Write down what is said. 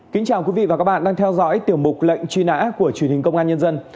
kính chào quý vị và các bạn đang theo dõi tiểu mục lệnh truy nã của truyền hình công an nhân dân